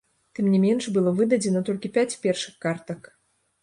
Тым не менш было выдадзена толькі пяць першых картак.